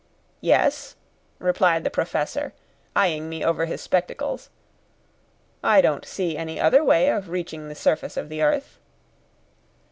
"Yes," replied the Professor, eyeing me over his spectacles, "I don't see any other way of reaching the surface of the earth."